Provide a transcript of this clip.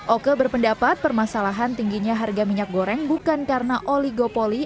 oke berpendapat permasalahan tingginya harga minyak goreng bukan karena oligopoli